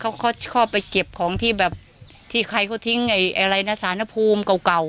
แล้วเขาชอบไปเก็บของที่แบบที่ใครเขาทิ้งอะไรนะสารพูมเก่า